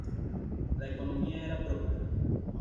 La economía era próspera.